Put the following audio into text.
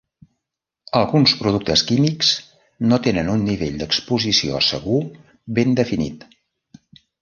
Alguns productes químics no tenen un nivell d'exposició segur ben definit.